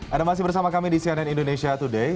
anda masih bersama kami di cnn indonesia today